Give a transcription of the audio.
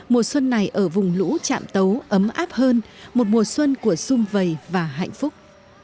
mùa xuân này ở vùng lũ trạm tấu ấm áp hơn một mùa xuân của xung vầy và hạnh phúc